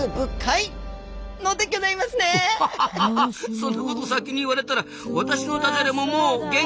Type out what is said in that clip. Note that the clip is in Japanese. そんなこと先に言われたら私のダジャレももう限「界」！